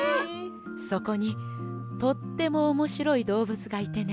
そこにとってもおもしろいどうぶつがいてね。